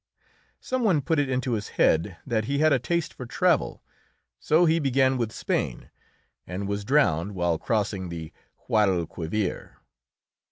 Some one put it into his head that he had a taste for travel, so he began with Spain, and was drowned while crossing the Guadalquivir.